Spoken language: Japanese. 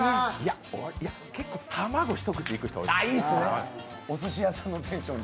結構、卵、一口いく人多いよね。